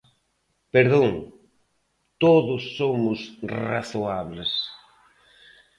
¡Perdón!, todos somos razoables.